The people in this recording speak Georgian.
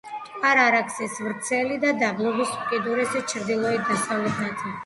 მტკვარ-არაქსის ვრცელი დაბლობის უკიდურესი ჩრდილოეთ-დასავლეთ ნაწილი.